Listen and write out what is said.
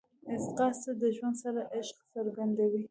ځغاسته د ژوند سره عشق څرګندوي